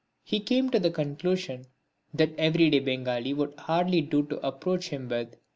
He came to the conclusion that everyday Bengali would hardly do to approach him with.